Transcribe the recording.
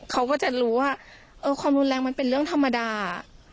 เขาก็จะรู้ว่าเออความรุนแรงมันเป็นเรื่องธรรมดา